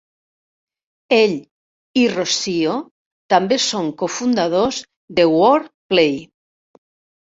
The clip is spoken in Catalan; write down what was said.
Ell i Rossio també són cofundadors de Wordplay.